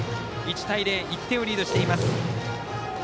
１対０、１点をリードしています。